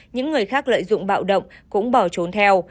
những người khác lợi dụng bạo động cũng bỏ trốn theo